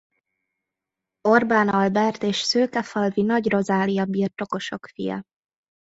Orbán Albert és szőkefalvi Nagy Rozália birtokosok fia.